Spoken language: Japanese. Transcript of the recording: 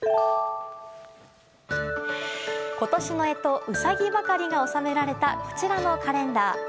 今年の干支うさぎばかりが収められたこちらのカレンダー。